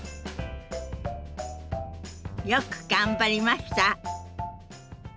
よく頑張りました。